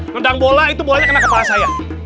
nendang bola itu bolanya kena kepala saya